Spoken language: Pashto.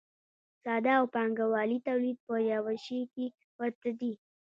ساده او پانګوالي تولید په یوه شي کې ورته دي.